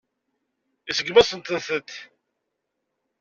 Iseggem-asent-tent.